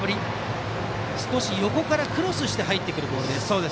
少し横からクロスして入ってくるボールです。